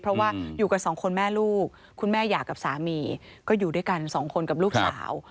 เพราะว่าอยู่กันสองคนแม่ลูกคุณแม่หย่ากับสามีก็อยู่ด้วยกันสองคนกับลูกสาว